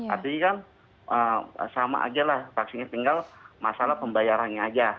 artinya kan sama aja lah vaksinnya tinggal masalah pembayarannya aja